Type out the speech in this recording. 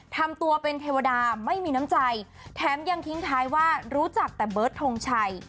ทำตัวเป็นเทวดาไม่มีน้ำใจแถมยังทิ้งท้ายว่ารู้จักแต่เบิร์ตทงชัย